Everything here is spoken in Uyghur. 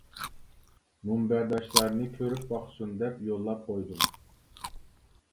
مۇنبەرداشلارنى كۆرۈپ باقسۇن دەپ يوللاپ قويدۇم!